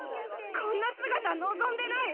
こんな姿望んでない！